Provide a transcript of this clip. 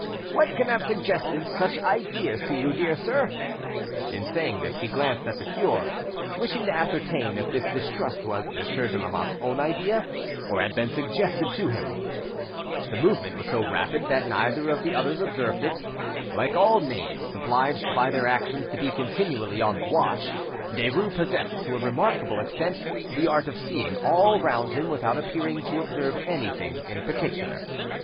"What can have suggested such ideas to you; dear sir?" In saying this he glanced at the cure; wishing to ascertain if this distrust was Monsieur de Lamotte's own idea, or had been suggested to him. The movement was so rapid that neither of the others observed it. Like all knaves, obliged by their actions to be continually on the watch, Derues possessed to a remarkable extent the art of seeing all round him without appearing to observe anything in particular.